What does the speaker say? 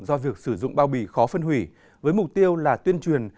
do việc sử dụng bao bì khó phân hủy với mục tiêu là tuyên truyền